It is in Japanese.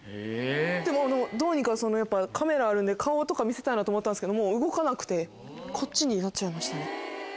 でもどうにかカメラあるんで顔とか見せたいなと思ったんですけどもう動かなくてこっちになっちゃいましたね。